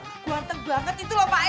gak ada yang tegak banget itu lho pak e